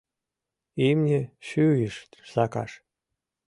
— Имне шӱйыш сакаш.